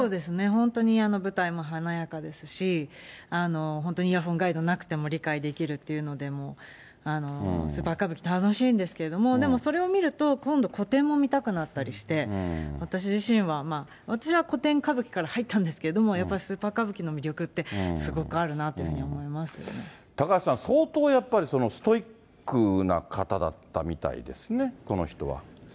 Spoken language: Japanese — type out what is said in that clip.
本当に舞台も華やかですし、本当にイヤホンガイドなくても理解できるっていうのでもう、スーパー歌舞伎、楽しいんですけれども、でもそれを見ると、今度、古典も見たくなったりして、私自身は、私は古典歌舞伎から入ったんですけど、やっぱりスーパー歌舞伎の魅力ってすごくあるなというふうに思い高橋さん、相当やっぱりストイックな方だったみたいですね、この人は。